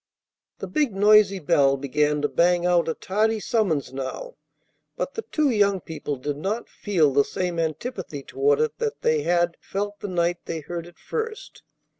The big, noisy bell began to bang out a tardy summons now; but the two young people did not feel the same antipathy toward it that they had felt the night they heard it first.